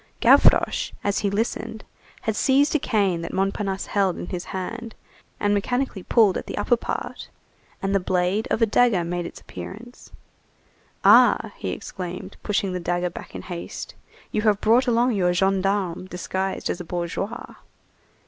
Gavroche, as he listened, had seized a cane that Montparnasse held in his hand, and mechanically pulled at the upper part, and the blade of a dagger made its appearance. "Ah!" he exclaimed, pushing the dagger back in haste, "you have brought along your gendarme disguised as a bourgeois."